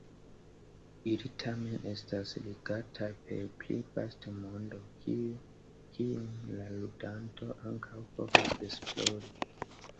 Ili tamen estas ligataj per pli vasta mondo, kiun la ludanto ankaŭ povas esplori.